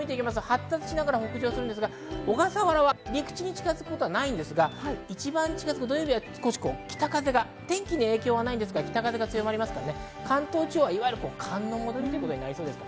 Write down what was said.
発達しながら北上するんですが、小笠原はもちろん警戒ですが、陸地に近づくことはないですが一番近づく土曜日は北風が天気に影響はないですが強まりますので関東地方は寒の戻りということになりそうです。